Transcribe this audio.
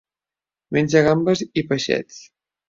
Menja gambes i peixets.